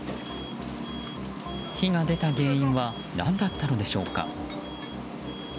火が出た原因は何だったのでしょうか？